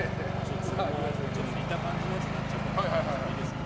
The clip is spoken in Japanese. ちょっと似た感じのやつになっちゃうかもしれないんですが。